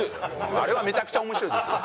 あれはめちゃくちゃ面白いですよ！